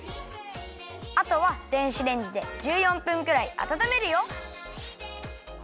あとは電子レンジで１４分くらいあたためるよ！